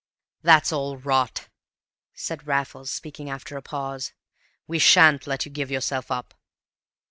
"That's all rot," said Raffles, speaking after a pause; "we sha'n't let you give yourself up."